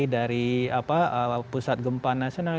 dari pusat gempa nasional